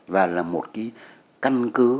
và là một căn cứ